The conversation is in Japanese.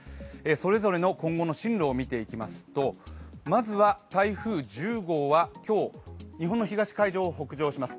それぞれの今後の進路を見ていきますと、まずは台風１０号は今日、日本の東海上を北上します。